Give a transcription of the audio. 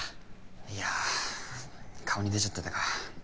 いやぁ顔に出ちゃってたか。